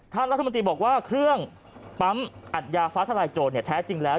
ท่านรัฐมนตรีบอกว่าเครื่องปั๊มอัดยาฟ้าทลายโจรแท้จริงแล้ว